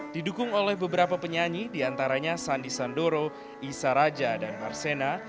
didukung oleh beberapa penyanyi diantaranya sandi sandoro isa raja dan marcena